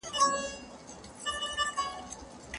زړه دي خپل خدای نګهبان دی توکل کوه تېرېږه